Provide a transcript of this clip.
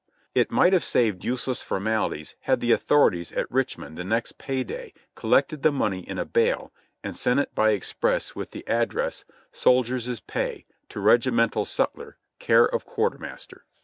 It might have saved useless formalities had the authorities at Richmond the next pay day collected the money in a bale and sent it by express with the address : "Soldiers' Pay, to Regi mental Sutler, Care of Quartermaster."